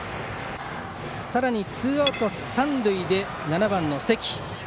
さらにツーアウト、三塁で７番、関。